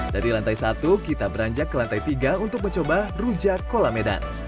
dari lantai satu kita beranjak ke lantai tiga untuk mencoba rujak kolamedan